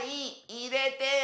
いれてよ！